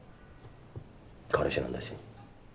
彼氏なんだし。